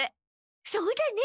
そうだね！